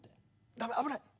ダメだ危ない。